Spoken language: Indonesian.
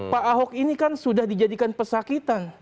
pak ahok ini kan sudah dijadikan pesakitan